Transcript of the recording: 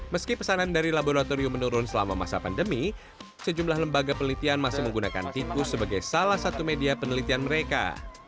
meski pesanan dari laboratorium menurun selama masa pandemi sejumlah lembaga penelitian masih menggunakan tikus sebagai salah satu media penelitian mereka